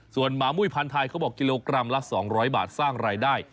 ส่วนหมามุ้ยพันธ์ไทยเขาบอกกิโลกรัมละ๒๐๐บาทสร้างรายได้